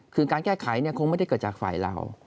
คือการแก้ไขคงไม่ได้เกิดจากฝ่ายเรา